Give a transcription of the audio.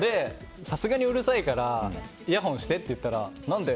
さすがにうるさいからイヤホンをしてって言ったら何で？